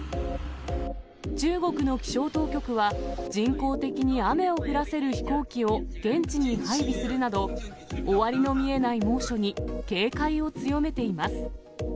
中国の気象当局は、人工的に雨を降らせる飛行機を現地に配備するなど、終わりの見えない猛暑に警戒を強めています。